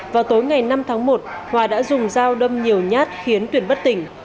vào tối ngày năm tháng một hòa đã dùng dao đâm nhiều nhát khiến tuyển bất tỉnh